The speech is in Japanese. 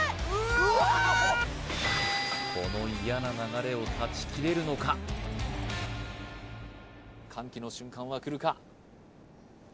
うわこの嫌な流れを断ち切れるのか歓喜の瞬間はくるか？